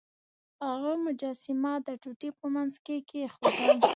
هغه مجسمه د ټوټې په مینځ کې کیښوده.